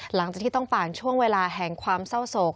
หลังจากที่ต้องผ่านช่วงเวลาแห่งความเศร้าโศก